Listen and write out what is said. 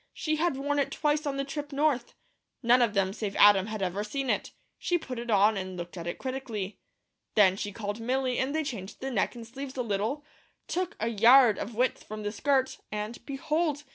She had worn it twice on the trip North. None of them save Adam ever had seen it. She put it on, and looked at it critically. Then she called Milly and they changed the neck and sleeves a little, took a yard of width from the skirt, and behold!